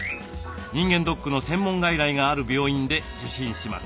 人間ドックの専門外来がある病院で受診します。